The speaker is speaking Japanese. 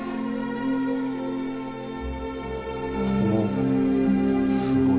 おすごい。